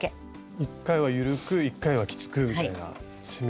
一回は緩く一回はきつくみたいな。